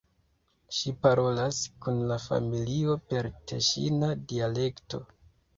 Ŝi parolas kun la familio per teŝina dialekto.